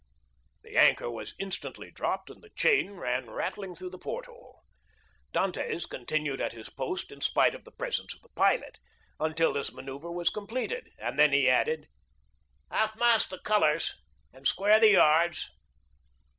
The anchor was instantly dropped, and the chain ran rattling through the port hole. Dantès continued at his post in spite of the presence of the pilot, until this manœuvre was completed, and then he added, "Half mast the colors, and square the yards!"